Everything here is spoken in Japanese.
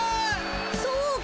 そうか！